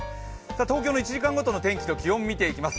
東京の１時間ごとの天気と気温、見ていきます。